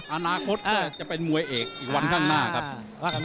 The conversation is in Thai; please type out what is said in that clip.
อนาคตก็จะเป็นมวยเอกอีกวันข้างหน้าครับ